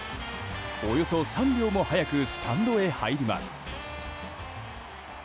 およそ３秒も早くスタンドへ入ります。